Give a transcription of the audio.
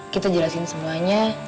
kita jelasin semuanya